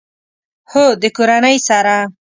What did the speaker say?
هو، د کورنۍ سره